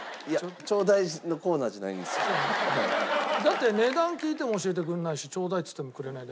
だって値段聞いても教えてくれないしちょうだいって言ってもくれないで。